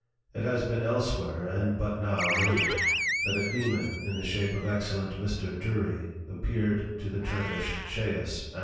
It has been elsewhere, and but now noted, that a Dæmon in the shape of excellent Mr. Dury appeared to the Turkish Chaos, _Anno.